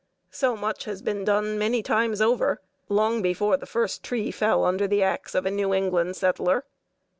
So much had been done many times over, long before the first tree fell under the axe of a New England settler.